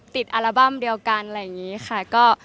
อัลบั้มเดียวกันอะไรอย่างนี้ค่ะ